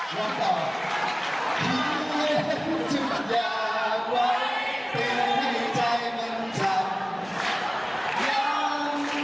ยังไม่อาจสอนใจทุกอย่าง